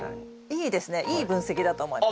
いいですねいい分析だと思います。